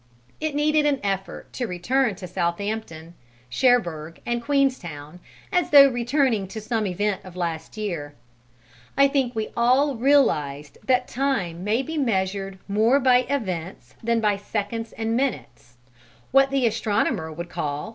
It needed an effort to return to Southampton, Cherbourg and Queenstown, as though returning to some event of last year. I think we all realized that time may be measured more by events than by seconds and minutes: what the astronomer would call "2.